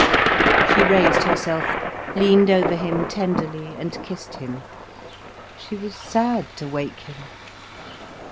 She raised herself, leaned over him tenderly, and kissed him. She was sad to wake him.